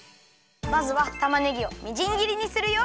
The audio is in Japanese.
まずはたまねぎをみじんぎりにするよ。